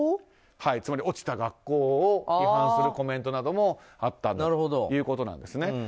つまり、落ちた学校を批判するコメントなどもあったんだということなんです。